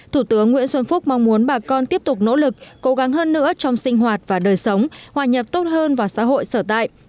thủ tướng nguyễn xuân phúc mong muốn bà con tiếp tục nỗ lực cố gắng hơn nữa trong sinh hoạt và đời sống hòa nhập tốt hơn vào xã hội sở tại